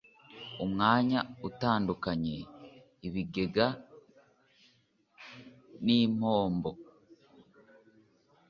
Umwanya utandukanya ibigega n impombo